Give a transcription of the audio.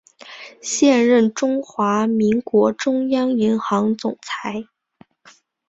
现任中华民国中央银行总裁。